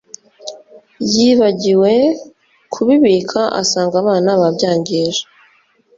Yibagiwe kubibika asanga abana babyangije